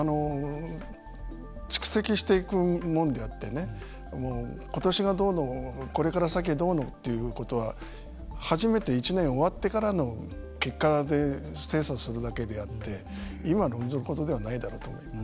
蓄積していくものであってねことしがどうのこれから先どうのということは初めて１年終わってからの結果で精査するだけであって今論ずることではないと思います。